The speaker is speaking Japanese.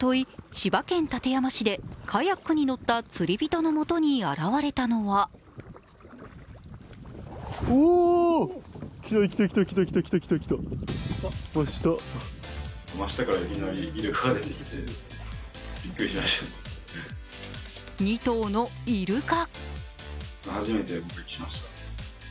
千葉県館山市でカヤックに乗った釣り人のもとに現れたのは２頭のイルカ。